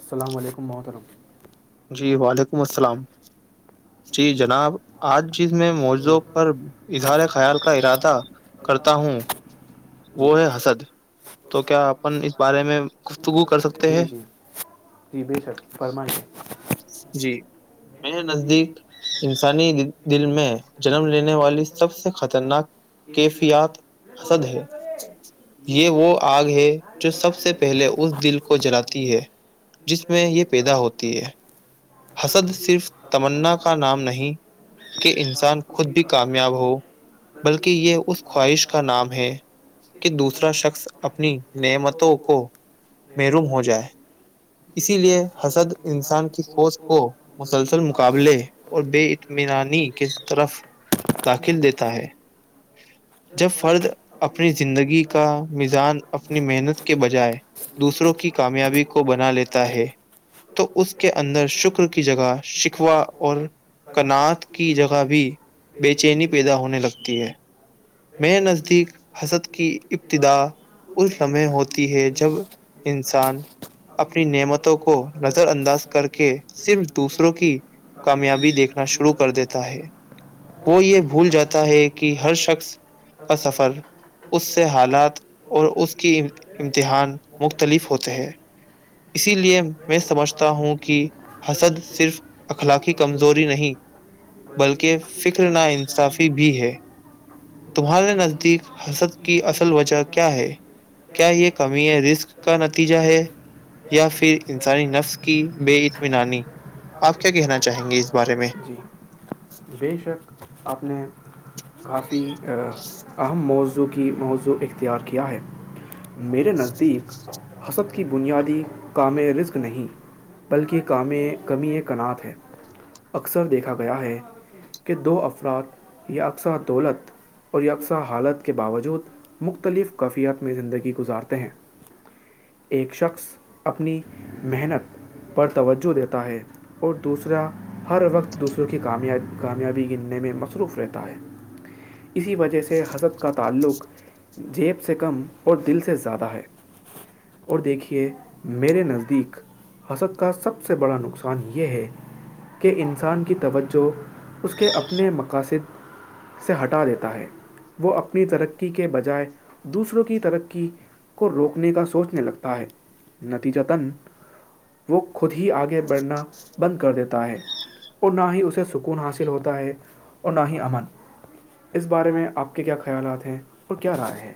السلام علیکم موتھرم جی وعلیکم السلام جی جناب آج جس میں ہوں، موضوع پر اظہار خیال کا ارادہ کرتا ہوں جی وہ ہے حسد تو کیا اپن اس بارے میں گفتگو کر سکتے جی ہیں جی جی سر فرمائیے جی میرے نزدیک انسانی دل میں جنم لینے والی سب سے خطرناک کیفیات حسد ہے [unintelligible] یہ وہ آگ ہے جو سب سے پہلے اس دل کو جلاتی ہے جس میں یہ پیدا ہوتی ہے حسد صرف تمنا کا نام نہیں کہ انسان خود بھی کامیاب ہو بلکہ یہ اس خواہش کا نام ہے کہ دوسرا شخص اپنی نعمتوں کو محروم ہو جائے [unintelligible] اسی لیے حسد انسان کی سوچ کو حسد حسن قابلے اور بے اطمینانی کی طرف داخل دیتا ہے جب فرد اپنی زندگی کا مزان اپنی محنت کے بجائے دوسروں کی کامیابی کو بنا لیتا ہے تو اس کے اندر شکر کی جگہ شکوہ اور کنعات کی جگہ بھی بے چینی پیدا ہونے لگتی ہے میں نزدیک حسد کی ابتدا اس لمحے ہوتی ہے جب انسان اپنی نعمتوں کو نظر انداز کر کے صرف دور دوسروں کی کامیابی دیکھنا شروع کر دیتا ہے وہ یہ بھول جاتا ہے کہ ہر شخص کا سفر اس سے حالات اور اس کی امتحان مختلف ہوتے ہیں اسی لیے میں سمجھتا ہوں کہ حسد صرف اخلاقی کمزوری نہیں بلکہ فکر ناانصافی بھی ہے تمہارے نزدیک حسد کی اصل وجہ کیا ہے کیا یہ کمی ہے رزک نتیجہ ہے یا پھر انسانی نفس کی بے اطمینانی آپ کیا کہنا چاہیں گے اس بارے میں جی بے شک آپ نے کافی اہم موضوع کی موضوع اختیار کیا ہے میرے نزدیک حسد کی بنیادی کام رزک نہیں بلکہ کام کمی ایک کنات ہے اکثر دیکھا گیا ہے کہ دو افراد یا اکثر دولت اور یکساں حالت کے باوجود مختلف کفیت میں زندگی گزارتے ہیں ایک شخص اپنی محنت پر توجہ دیتا ہے اور دوسرا ہر وقت دوسروں کی کامیابی گننے میں مصروف رہتا ہے [inaudible] اسی وجہ سے حسب کا تعلق جیب سے کم اور دل سے زیادہ ہے اور دیکھیے میرے نزدیک حسد کا سب سے بڑا نقصان یہ ہے کہ انسان کی توجہ اس کے اپنے مقاصد اسے ہٹا دیتا ہے وہ اپنی ترقی کے بجائے دوسروں کی ترقی کو روکنے کا سوچنے لگتا ہے نتیجاتن وہ خود آگے بڑھنا بند کر دیتا ہے اور نہ ہی اسے سکون حاصل ہوتا ہے اور نہ ہی امن اس بارے میں آپ کے کیا خیالات ہیں اور کیا رائے ہے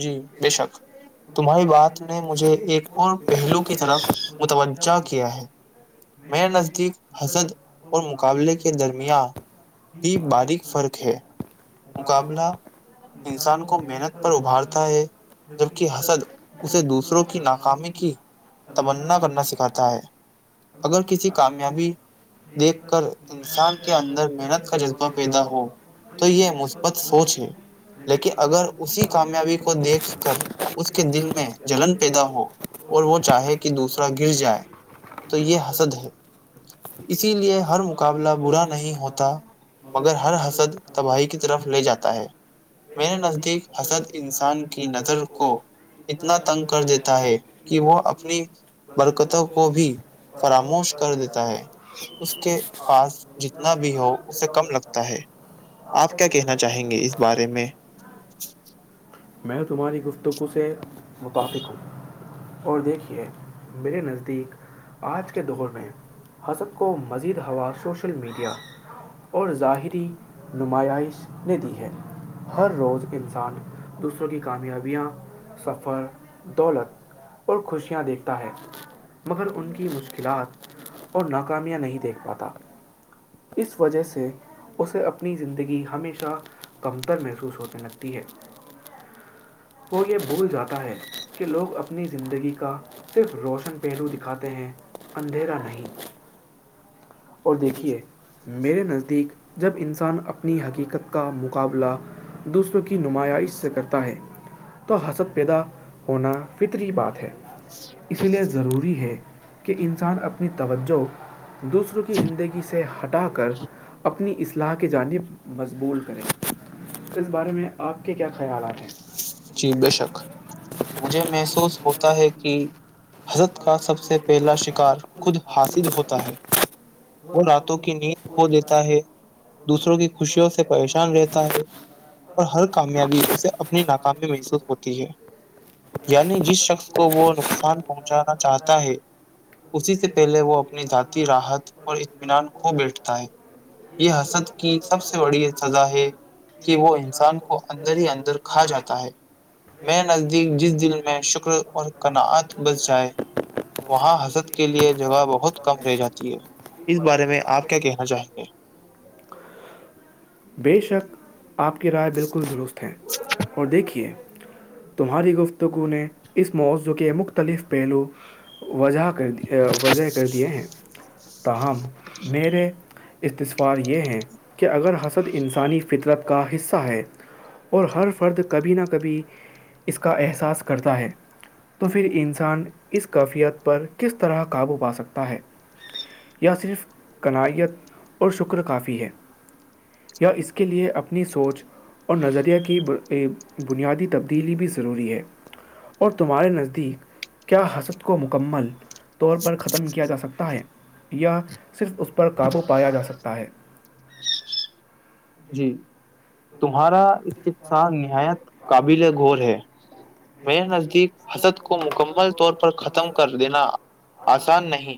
جی بے شک تمہاری بات نے مجھے ایک اور پہلو کی طرف متوجہ کیا ہے میں نزدی حطل اور مقابلے کے درمیان ہی بھی باری باریک فتی فرق ہے مقابلہ انسان کو محنت پر ابھارتا ہے جبک حسل اسے دوسروں کی ناکامی کی تمنا کرنا سکھاتا ہے اگر کسی کامیابی ایک دیکھ کر انان انسان کے اندر اندرک محنت کا جذبہ ریدا پیدا ہوا ہو تو مثبت سوچ ہے لیکن اگر اسی کامیابی کو دیکھ کر اس کے دل میں جلن پیدا ہو اور وہ چاہے کہ دوسرا گر جائے تو یہ حسد ہے اسی لیے ہر مقابلہ برا نہیں ہوتا مگر ہر حسد تباہی کی طرف لے جاتا ہے میرے نزدیک حسد انسان کی نظر کو اتنا تنگ کر دیتا ہے کہ وہ اپنی برکتوں کو بھی فراموش کر دیتا ہے اس کے پاس جتنا بھی ہو اسے کم لگتا ہے آپ کیا کہنا چاہیں گے اس بارے میں میں تمہاری گفتگو سے متفق ہوں اور دیکھیے میرے نظدر تق آج کے دور میں حست کو مزید ہوا سوشل میڈیا اور ظاہری نمائش نے دی ہے ہر روز انسان دوسروں کی کامیابیاں سفر دولت اور خوشیاں دیکھتا ہے مگر ان کی مشکلات اور ناکامیاں نہیں دیکھ پاتا اس وجہ سے اسے اپنی زندگی ہمیشہ کمتر محسوس ہونے لگتی ہے [inaudible] وہ یہ بھول جاتا ہے کہ لوگ اپنی زندگی کا صرف روشن پہلو دکھاتے ہیں اندھیرا نہیں اور دیکھیے میرے نزدیک جب انسان اپنی حقیقت کا مقابلہ دوسروں کی نمایاش سے کرتا ہے تو حسد پیدا ہونا فطری بات ہے ش [unintelligible] اس لیے ضروری ہے کہ انسان اپنی توجہ دوسروں کی زندگی سے ہٹا کر اپنی اصلاح کی جانب مضبول کریں اس بارے میں آپ کے کیا خیال آئے جی بے شک مجھے محسوس ہوتا ہے کہ حضرت کا سب سے پہلا شکار خود حاصل ہوتا ہے وہ راتوں کی نیند کھ دیتا ہے دوسروں کی خوشیوں سے پریشان رہتا ہے اور ہر کامیابی اسے اپنی ناکامی محسوس ہوتی ہے یعنی جس شخص کو وہ ن ان پہنچانا چاہتا ہے اسی سے پہلے وہ اپنی ذاتی راحت اور اطمینان کھو بیٹھتا ہے یہ حسد کی سب سے بڑی سزا ہے کہ وہ انسان کو اندر ہی اندر کھا جاتا ہے میر نزدیک جس دل میں شکر اور کناعت بس جائے وہاں حضرت کے لیے جگہ بہت کم رہ جاتی ہے اس بارے میں آپ کیا کہنا چاہیں گے بے شک آپ کی رائے بالکل درست ہے اور دیکھیے تمہاری گفتگو نے اس موضوع کے مختلف پہلو وجہ کر دی وضح کر دیے ہیں تاہم میرے استثوار یہ ہیں کہ اگر ہنس انسانی فطرت کا حصہ ہے اور ہر فرد کبھی نہ کبھی اس کا کا احساس کرتا ہے تو پھر انسان اس کیفیت پر کس طرح قابو پا سکتا ہے یا صرف کناائییت اور شکر کافی ہے یا اس کے لیے اپنی سوچ اور نظریہ کی بنیادی تبدی دیلی بھی ضروری ہے اور تمہارے نزدیک کیا ہسپ کو مکمل طور پر ختم کیا جا سکتا ہے یا صرف اس پر پر قابو پایا جا سکتا ہے جی تمہارا استصا نہایت قابل گور ہے میر نزدیک حسر کو مکمل طور پر ختم کر دینا آسان نہیں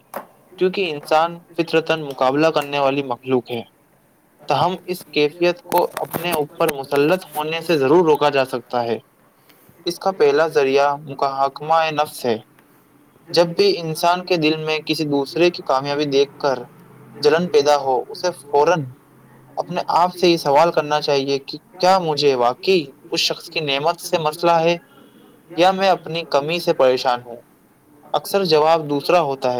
کیونکہ انسان فطرتن مقابلہ کرنے والی مخلوق ہے تو ہم اس کو اپنے اوپر مسلط ہونے سے ضرور روکا جا سکتا ہے اس کا پہلا ذریعہ مکحکمہ نفس ہے جب بھی انسان کے دل میں کسی دوسرے کی کامیابی دیکھ کر جلن پیدا ہو اسے فورن اپنے آپ سے یہ سوال کرنا چاہیے کہ کیا مجھے واقعی اس شخص کی نعمت سے مسئلہ ہے میں اپنی کمی سے پریشان ہ اکثر جواب دوسرا ہوتا ہو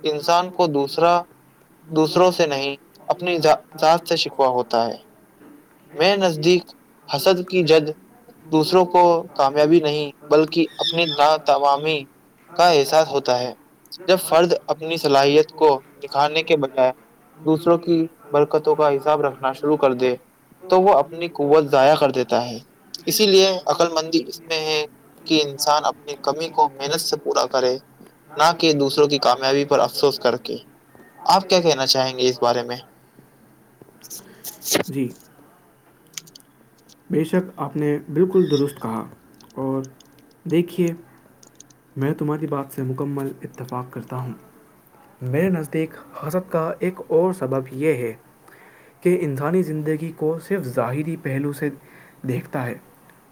انسان کو دوسر دوٹروں دوسروں پہ سے نہیں ذات سے شکوا ہوتا ہے میں نزدیک حسد کی جد دوسروں کو کامیابی نہیں بلکہ اپنی ن توامی کا احساس ہوتا ہے جب فرد اپنی صلاحیت کوکھانے کے بجائےٹوں کی برکتوں کا حساب رکھنا شروع کر دے تو وہ اپنی توت قوت ضائع کر کرتا دیتا ہے اس اسی لیے بکر م عقل مندی اس میں ہے کہ انسان اپنی کمی کو محنت سے پورا کرے نہ کہ دوسروں کی کامیابی پر افسوس کر کے آپ کیا کہنا چاہیں گے اس بارے میں جی بے شک آپ نے بالکل درست کہا اور دیکھیے میں تمہاری بات سے مکمل اتفاق کرتا ہوں میرے نزدیک حسرت کا ایک اور سبب یہ ہے کہ انسانی زندگی کو صرف ظاہری پہلو سے دیکھتا ہے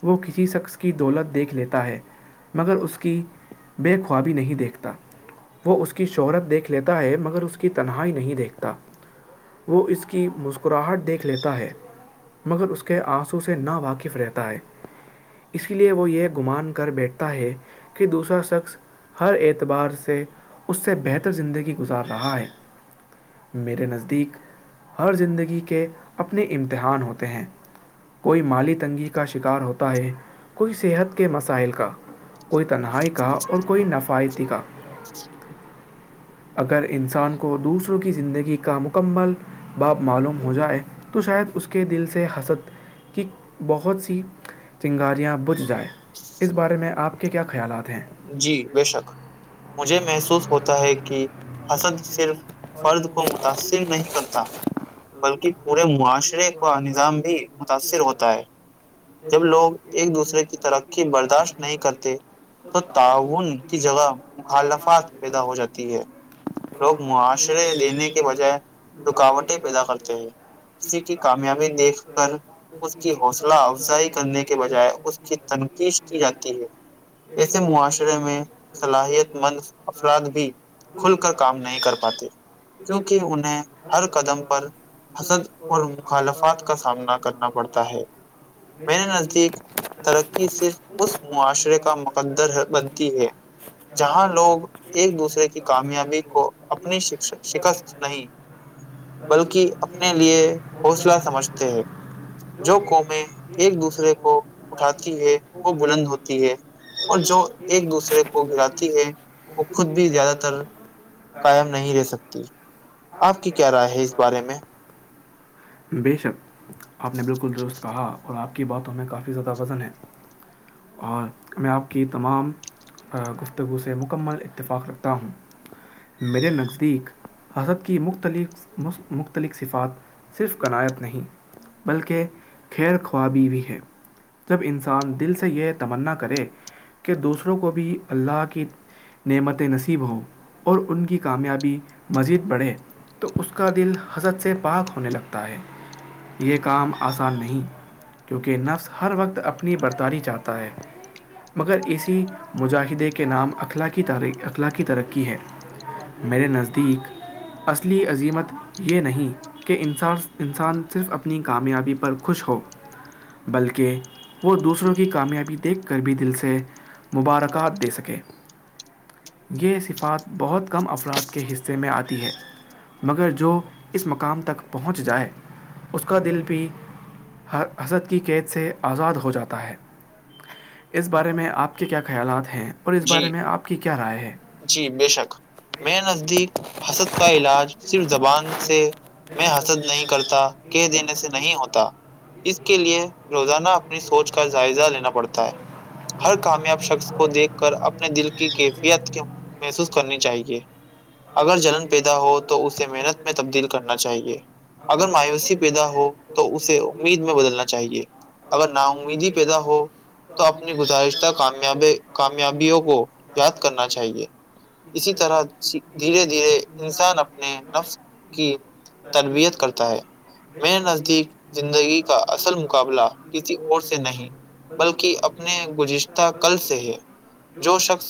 وہ کسی شخص کی دولت دیکھ لیتا ہے مگر اس کی بے خوابی نہیں دیکھتا وہ اس کی شہرت دیکھ لیتا ہے مگر اس کی تنہائی نہیں دیکھتا وہ اس کی مسکراہٹ دیکھ لیتا ہے مگر اس کے آنس سے نا واقف رہتا ہے اسی لیے وہ یہ گمان کر بیٹھتا ہے کہ دوسرا شخص ہر اعتبار سے اس سے بہتر زندگی گزار رہا ہے میرے نزدیک ہر زندگی کے اپنے امتحان ہوتے ہیں کوئی مالی تنگی کا شکار ہوتا ہے کوئی صحت کے مسائل کا کوئی تنہائی کہا اور کوئی نفیتی کاا اگر انسان کو دوسروں کی زندگی کا مکمل باپ معلوم ہو جائے تو شاید اس کے دل سے حسد کی بہت سی چنگاریاں بجھ جائیں اس بارے میں آپ کے کیا خیالات ہیں جی بے شک مجھے محسوس ہوتا ہے کہ حسد صرف فرد کو متاثر نہیں کرتا بلکہ پورے معاشرے معشرے کا نظام بھی متاثر ہوتا ہے ج لوگ ایک دوسرے کی طرف کی برداشت نہیں کرتے تو تعاون کی جگہ مخالفات پیدا ہو جاتی ہے لوگ معاشرے لینے کے بجائے رکاوٹیں پیدا کرتے ہیں ج کی کامیابی دیکھ کر اس کی گشہ افزائی کرنے کی وجہ جائے اس کی تنقید کی جاتی ہے ایسے معاشرے میں صلاحیت مند افراد بھی ل کر کام نہیں کر ہر قدم پر حسد اور مخالفات کا سامنا کرنا پڑتا ہے میرے نزدیک [inaudible] ترقی صرف اس معاشرے کا مقدر بنتی ہے جہاں لوگ ایک دوسرے کی کامیابی کو اپنی شکست نہیں بلکہ اپنے لیئے حوصلہ سمجھتے ہیں جو کونے ایکے کوی ہے وہ بلند ہوتی ہے اور جو ایک دوسرےاتی ہے وہ خود بھی زیادہ تر کاائم نہیں رہ سکتی آپ کی کیا رائے ہے اس بارے میں بے شک آپ نے بالکل درست کہا اور آپ کی باتوں میں کافی زیادہ وزن ہے اور میں آپ کی تمام گفتگو سے مکمل اتفاق رکھتا ہوں میرے نزدیک حزد کی مختلف لک صفات صرف قنایت نہیں بلکہ کیر کھ خابی ہو ہے جب انسان دل سے یہ تمنا کرے کہ دوسروں کو بھی اللہ کی نعمت نصیب ہوں اور ان کی کامیابی مزید بڑھے تو اس کا دل حضرت سے پاک ہونے لگتا ہے یہ کام آسان نہیں کیونکہ نفس ہر وقت اپنی برداری چاہتا ہے مگر اسی مجاہدے کے نام اخلا کے تاری اخلاق کی ترقی ہے میرے نزدیک اصلی عظیمت یہ نہیں کہ انسا انسان صرف اپنی کامیابی پر خوش ہو بلکہ وہ دوسروں کی کامیابی دیکھ کر بھی دل سے مبارکاد دے سکے یہ صفات بہت کم افراد کے حصے میں آتی ہے مگر جو اس مقام تک پہنچ جائے اس کا دل بھی حضرت کی قید سے آزاد ہو جاتا ہے اس بارے میں آپ کے کیا خیالات ہیں اور اس جی بارے میں آپ کی کیا رائے ہے جی بے شک میں نزدیک حسد کا علاج صرف زبان سے میں حسد نہیں کرتا کہہ دینے سے نہیں ہوتا اس کے لیے روزانہ اپنی سوچ کا جائزہ لینا پڑتا ہے ہر کامیاب شخص کو دیکھ کر اپنے دل کی کیفیت محسوس کرنی چاہیے اگر جلن پیدا ہو تو اسے محنت میں تبدیل کرنا چاہیے اگر مایوسی پیدا ہو تو اسے امید میں بدلنا چاہیے اور اگر نام نا ہی امیدی نہیں پیدا ہو پ تو اپنی گزارشتہ کامیاب کایابی کامیابیوں ہو کو یاد کرنا چاہیے اسی طرح دھیرے دھیرے انسان اپنے نفس کی تربیت کرتا ہے میرے نزدیک زندگی کا اصل مقابلہ کسی اور سے نہیں بلکہ اپنے گزشتہ کل سے ہے جو شخص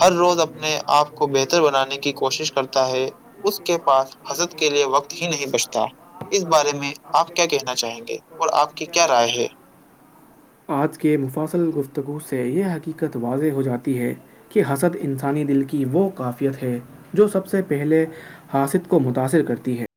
ہر روز اپنے آپ کو بہتر بنانے کے کوشش کرتا ہے اس کے پاس حضرت کے لیئے وقت ہی نہیں بچتا اس بارے میں آپ کیا کہنا چاہیں گے اور آپ کی کیا رائے ہے آج کے مفاصل گفتگو سے یہ حقیقت واضح ہو جاتی ہے کہ حسد انسانی دل کی وہ قفیت ہے جو سب سے پہلے حاصد کو متاثر کرتی ہے